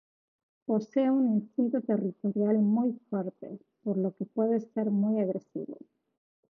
Posee un instinto territorial muy fuerte, por lo que puede ser muy agresivo.